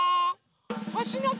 ほしのこ。